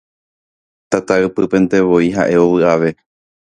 Tataypypentevoi ha'e ovy'ave.